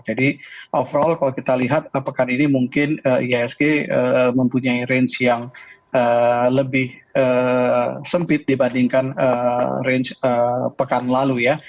jadi overall kalau kita lihat pekan ini mungkin ihsg mempunyai range yang lebih sempit dibandingkan range pekan lalu ya